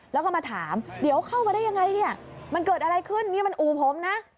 แล้วก็มาถามเดี๋ยวเข้ามาได้ยังไงเนี่ยมันเกิดอะไรขึ้นนี่มันอู่ผมนะ